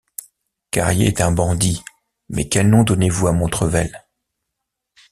Carrier est un bandit ; mais quel nom donnez-vous à Montrevel?